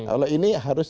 kalau ini harus